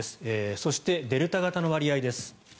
そしてデルタ型の割合です。